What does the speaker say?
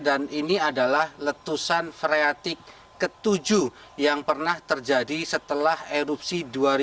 dan ini adalah letusan freatik ketujuh yang pernah terjadi setelah erupsi dua ribu